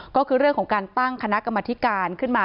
ก็คือเรื่องของการตั้งคณะกรรมธิการขึ้นมา